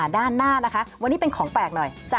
ด้านหน้านะคะวันนี้เป็นของแปลกหน่อย